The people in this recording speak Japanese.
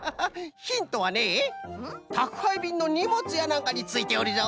ヒントはねたくはいびんのにもつやなんかについておるぞ！